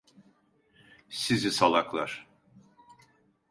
Sizi salaklar!